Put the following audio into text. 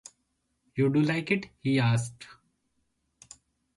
“You do like it?” he asked.